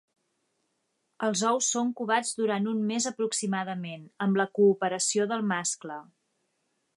Els ous són covats durant un més aproximadament, amb la cooperació del mascle.